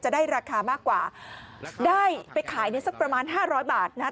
จะได้ราคามากกว่าได้ไปขายเนี่ยสักประมาณห้าร้อยบาทนะฮะ